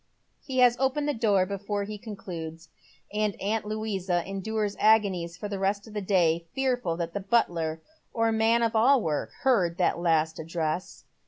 He has opened the door before he concludes, and aunt Louisa endures agonies for the rest of the day, fearful that the butler, or man of all work, heard that last address.